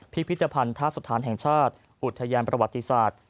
พิพิธภัณฑสถานแห่งชาติอุทยานประวัติศาสตร์